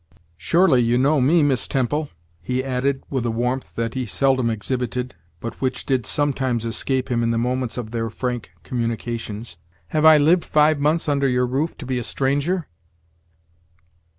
"Surely, you know me, Miss Temple!" he added, with a warmth that he seldom exhibited, but which did some times escape him in the moments of their frank communications. "Have I lived five months under your roof to be a stranger?"